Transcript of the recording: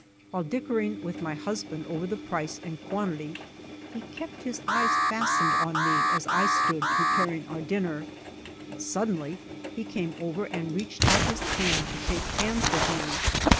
While dickering with my husband over the price and quantity, he kept his eyes fastened on me as I stood preparing our dinner. Suddenly he came over and reached out his hand to shake hands with me.